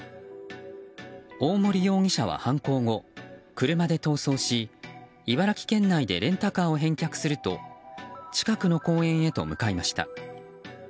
大森容疑者は犯行後、車で逃走し茨城県内でレンタカーを返却すると近くの公園へと向かいました。